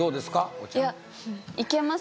お茶いけます